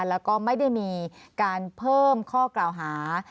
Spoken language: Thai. แล้วก็ไม่ได้มีการเพิ่มข้อกล่าวหา